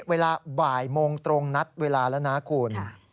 เวลาบ่ายโมงตรงนัดเวลาแล้วนะคุณ